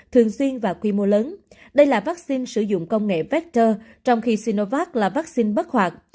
thường xuyên và quy mô lớn đây là vaccine sử dụng công nghệ vector trong khi sinovac là vaccine bất hoạt